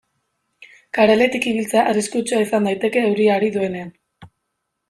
Kareletik ibiltzea arriskutsua izan daiteke euria ari duenean.